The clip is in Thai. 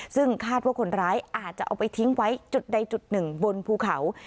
ซึ่งคาดว่าคนร้ายอาจจะเอาไปทิ้งไว้จุดใดจุดหนึ่งบนภูเขา